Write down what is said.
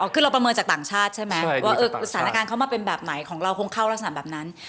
คือเราประเมินจากต่างชาติใช่ไหมว่าสถานการณ์เขามาเป็นแบบไหนของเราคงเข้ารักษณะแบบนั้น